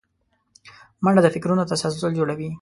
منډه د فکرونو تسلسل جوړوي